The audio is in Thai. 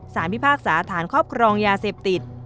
พิพากษาฐานครอบครองยาเสพติด